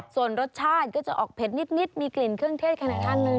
ส่วนรสชาติก็จะออกเผ็ดนิดมีกลิ่นเครื่องเทศขนาดหนึ่ง